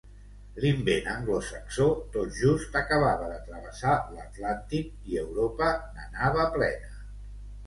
L'invent anglosaxó tot just acabava de travessar l'Atlàntic i Europa n'anava plena.